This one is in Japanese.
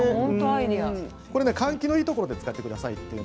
これは換気のいいところで使ってください。